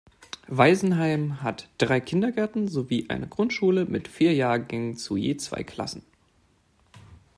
Weisenheim hat drei Kindergärten sowie eine Grundschule mit vier Jahrgängen zu je zwei Klassen.